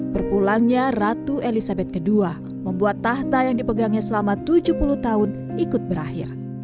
berpulangnya ratu elizabeth ii membuat tahta yang dipegangnya selama tujuh puluh tahun ikut berakhir